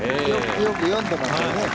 よく読んでましたよね。